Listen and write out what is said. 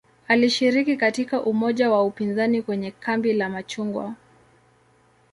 Alishiriki katika umoja wa upinzani kwenye "kambi la machungwa".